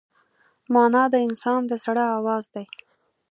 مانا د انسان د زړه آواز دی.